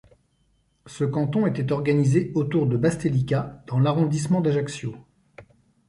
Ce canton était organisé autour de Bastelica dans l'arrondissement d'Ajaccio.